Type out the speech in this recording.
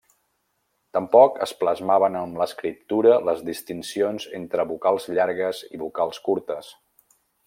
Tampoc es plasmaven en l'escriptura les distincions entre vocals llargues i vocals curtes.